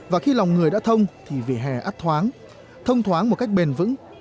và khi lòng người đã thông thì vỉa hè át thoáng thông thoáng một cách bền vững